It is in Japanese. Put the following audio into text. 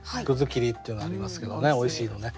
切りっていうのありますけどねおいしいのね。